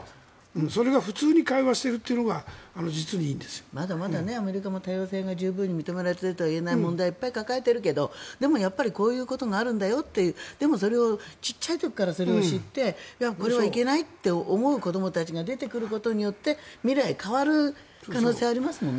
それが普通に会話しているというのがまだまだアメリカも多様性が十分に認められてるとは言えない問題がたくさんあるけどでも、こういうことがあるんだよとでも、それを小さい時からそれを知ってこれはいけないと思う子どもたちが出てくることによって未来が変わる可能性がありますよね。